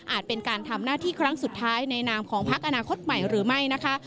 เป็นการทำหน้าที่ครั้งสุดท้ายในนามของพักอนาคตใหม่หรือไม่นะคะ